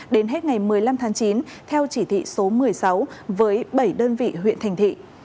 đến hết ngày một mươi năm tháng chín theo chỉ thị số một mươi sáu với bảy đơn vị huyện thành thị